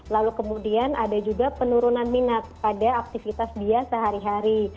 lalu kemudian ada juga penurunan minat pada aktivitas dia sehari hari